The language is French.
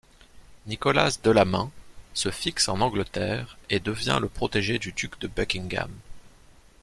Nicholas Delamain se fixe en Angleterre, et devient le protégé du duc de Buckingham.